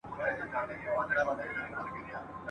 زه د پېړیو ګیله منو پرهارونو آواز !.